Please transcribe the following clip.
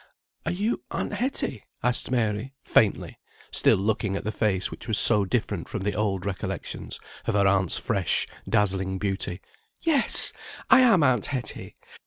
"Are you aunt Hetty?" asked Mary, faintly, still looking at the face which was so different from the old recollections of her aunt's fresh dazzling beauty. "Yes! I am aunt Hetty.